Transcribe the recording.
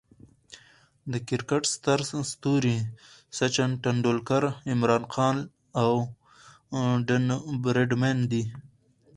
د کرکټ ستر ستوري سچن ټندولکر، عمران خان، او ډان براډمن دي.